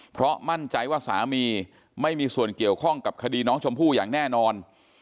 เพราะมั่นใจว่าสามีไม่มีส่วนเกี่ยวข้องกับคดีน้องชมพู่อย่างแน่นอน